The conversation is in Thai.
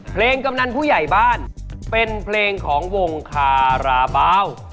กำนันผู้ใหญ่บ้านเป็นเพลงของวงคาราบาล